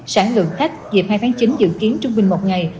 sáng lượt khách dịp hai tháng chín dự kiến trung bình một ngày